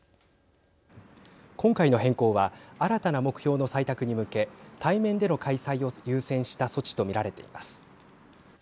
今回の変更は新たな目標の採択に向け対面での開催を優先した措置と見られています。